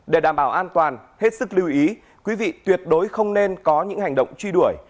để đảm bảo an toàn hết sức lưu ý quý vị tuyệt đối không nên có những hành động truy đuổi